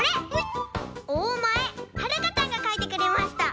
おおまえはるかちゃんがかいてくれました。